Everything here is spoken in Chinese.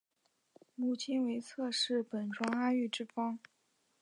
母亲为侧室本庄阿玉之方。